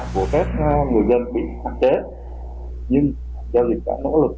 nhưng doanh nghiệp đã nỗ lực